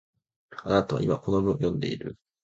あなたは今、この文を読んでいる